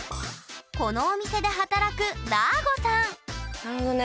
このお店で働くだーごさんなるほどね。